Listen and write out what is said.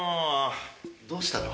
どうしたの？